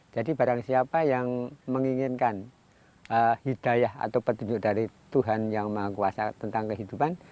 jadi barang siapa yang menginginkan hidayah atau petunjuk dari tuhan yang mengkuasa tentang kehidupan